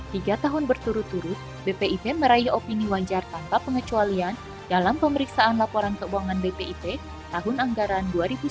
tiga tahun berturut turut bpip meraih opini wajar tanpa pengecualian dalam pemeriksaan laporan keuangan bpip tahun anggaran dua ribu sembilan belas